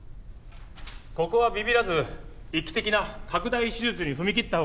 ここはビビらず一期的な拡大手術に踏み切ったほうが得策です。